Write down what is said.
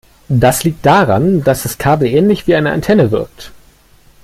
Das liegt daran, dass das Kabel ähnlich wie eine Antenne wirkt.